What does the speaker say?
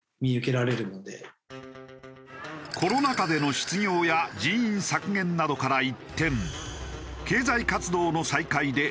コロナ禍での失業や人員削減などから一転。